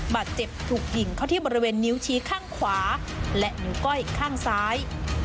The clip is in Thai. บาดเจ็บถูกยิงเข้าที่บริเวณนิ้วชี้ข้างขวาและนิ้วก้อยข้างซ้าย